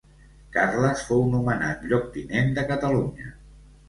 Carles fou nomenat lloctinent de Catalunya.